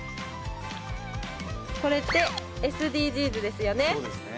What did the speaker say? これってＳＤＧｓですよね